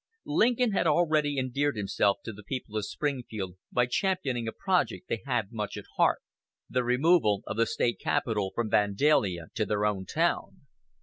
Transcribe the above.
Lincoln had already endeared himself to the people of Springfield by championing a project they had much at heart the removal of the State capital from Vandalia to their own town.